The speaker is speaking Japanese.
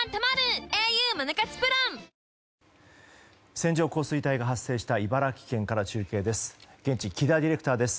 線状降水帯が発生した茨城県から中継です。